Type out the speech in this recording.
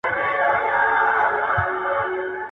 پردى غوښه په ځان پوري نه مښلي.